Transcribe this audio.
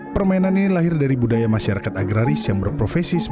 permainan ini lahir dari budaya masyarakat agraris yang berprofesi sebagai